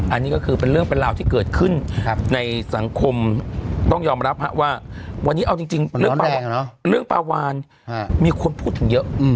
อันนี้ก็คือเป็นเรื่องเป็นราวที่เกิดขึ้นในสังคมต้องยอมรับว่าวันนี้เอาจริงเรื่องปลาวานมีคนพูดถึงเยอะ